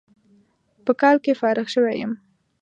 په کال کې فارغ شوى يم.